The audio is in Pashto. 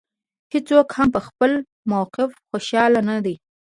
هېڅوک هم په خپل موقف خوشاله نه دی.